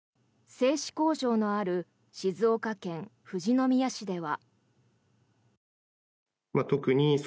製紙工場のある静岡県富士宮市では。